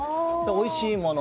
おいしいもの。